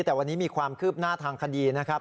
แต่วันนี้มีความคืบหน้าทางคดีนะครับ